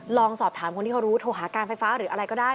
ลองสอบถามคนที่เขารู้โทรหาการไฟฟ้าหรืออะไรก็ได้